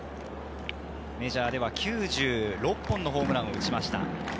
メジャーでは９６本のホームランを打ちました。